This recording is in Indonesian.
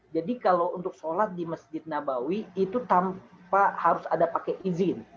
jadi kalau untuk sholat di masjid nabawi itu harus ada pakai izin